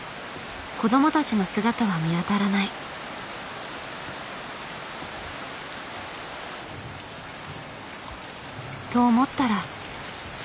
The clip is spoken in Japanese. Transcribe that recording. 子どもたちの姿は見当たらない。と思ったら。